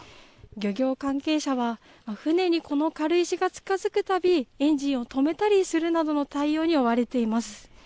漁業関係者は、船にこの軽石が近づくたび、エンジンを止めたりするなどの対応に追われています。